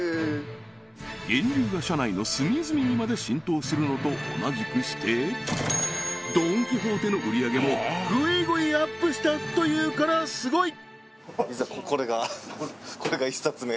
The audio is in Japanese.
「源流」が社内の隅々にまで浸透するのと同じくしてドン・キホーテの売上げもぐいぐいアップしたというからすごい！